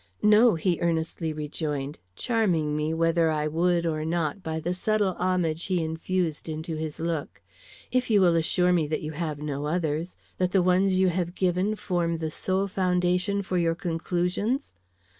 "No," he earnestly rejoined, charming me, whether I would or not, by the subtle homage he infused into his look, "if you will assure me that you have no others that the ones you have given form the sole foundation for your conclusions.